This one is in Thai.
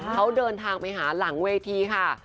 เขาเดินทางไปหาหลังเวทีค่ะ